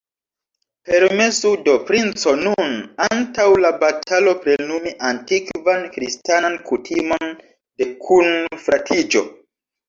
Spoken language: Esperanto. Permesu do, princo, nun, antaŭ la batalo, plenumi antikvan kristanan kutimon de kunfratiĝo!